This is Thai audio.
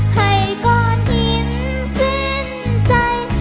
ใครก็หินสิ้นใจ